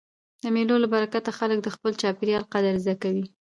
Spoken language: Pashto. د مېلو له برکته خلک د خپل چاپېریال قدر زده کوي.